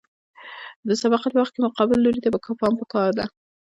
د سبقت په وخت کې مقابل لوري ته پام پکار دی